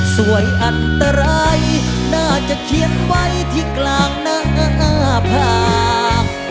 สวยอันตรายน่าจะเขียนไว้ที่กลางหน้าผาก